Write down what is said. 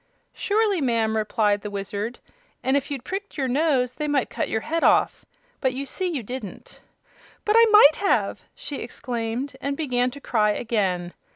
"Surely, ma'am," replied the Wizard, "and if you'd pricked your nose they might cut your head off. But you see you didn't." "But I might have!" she exclaimed, and began to cry again.